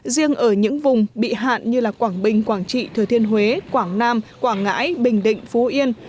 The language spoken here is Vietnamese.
riêng ở những vùng bị hạn như quảng bình quảng trị thừa thiên huế quảng nam quảng ngãi bình định phú yên